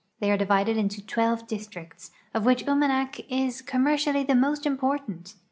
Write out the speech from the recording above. They are divided into twelve districts, of which Umanak is commer ciall}' the most important.